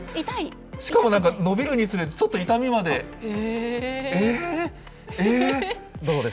しかもなんか、伸びるにつれて、ちょっと痛みまで、えー、えー。